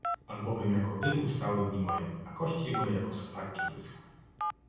Albowiem jako dym ustały dni moje, — a kości moje jako skwarki wyschły.